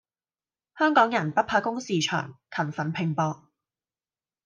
香港人不怕工時長，勤奮拼搏